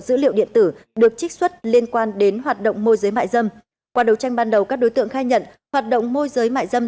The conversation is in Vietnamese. dữ liệu điện tử được trích xuất liên quan đến hoạt động môi giới mại dâm